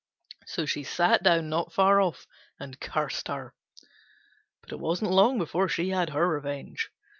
So she sat down not far off and cursed her. But it wasn't long before she had her revenge.